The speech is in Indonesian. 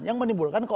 sampai terus nah